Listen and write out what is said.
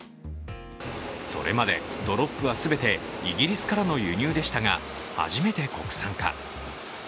それまでドロップは全てイギリスからの輸入でしたが初めて国産化。